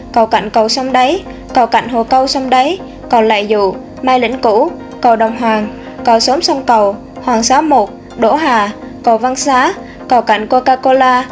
cầu cạnh cầu sông đáy cầu cạnh hồ câu sông đáy còn lại dụ mai lĩnh củ cầu đồng hoàng cầu xóm sông cầu hoàng xá một đỗ hà cầu văn xá cầu cạnh coca cola